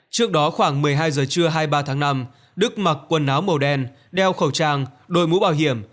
trước đó khoảng một mươi hai giờ trưa hai mươi ba tháng năm đức mặc quần áo màu đen đeo khẩu trang đôi mũ bảo hiểm